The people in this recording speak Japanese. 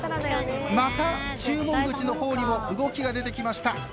また注文口の方にも動きが出てきました。